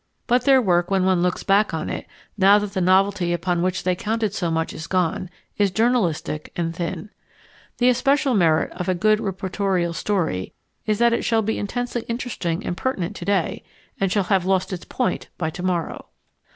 But their work, when one looks back on it, now that the novelty upon which they counted so much is gone, is journalistic and thin. The especial merit of a good reportorial story is that it shall be intensely interesting and pertinent today and shall have lost its point by tomorrow.